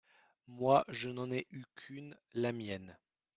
Moi, je n’en ai eu qu’une… la mienne…